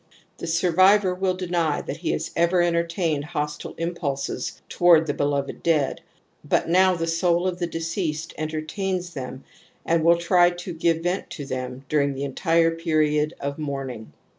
The survivor will deny that he has ever entertained hostile impulses toward the beloved dead ; but now the soul of the deceased enter tains them and will try to give vent to them dur ing the entire period of mourning.